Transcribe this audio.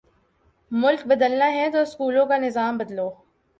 ملک بدلنا ہے تو سکولوں کا نظام بدلو۔